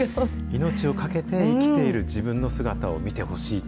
命を懸けて生きている自分の姿を見てほしい。